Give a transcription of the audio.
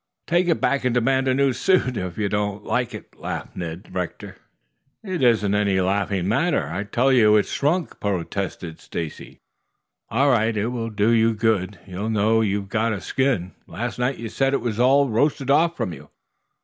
"Take it back and demand a new suit if you don't like it," laughed Ned Rector. "It isn't any laughing matter. I tell you it's shrunk," protested Stacy. "All right, it will do you good. You'll know you've got a skin. Last night you said it was all roasted off from you."